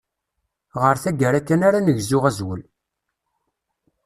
Ɣer taggara kan ara negzu azwel.